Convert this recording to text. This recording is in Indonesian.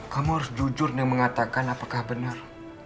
kamu harus jujur dan mengatakan apakah benar